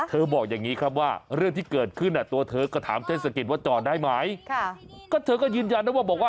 เธอบอกอย่างนี้คำว่าเรื่องที่เกิดขึ้นตัวเธอก็ถามเซศกิตว่าจอดได้ไหม